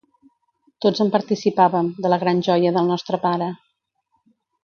Tots en participàvem, de la gran joia del nostre pare.